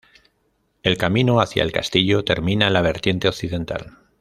El camino hacia el castillo termina en la vertiente occidental.